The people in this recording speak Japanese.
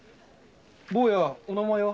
坊やお名前は？